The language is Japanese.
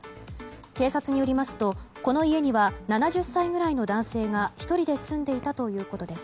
警察によりますとこの家には７０歳ぐらいの男性が１人で住んでいたということです。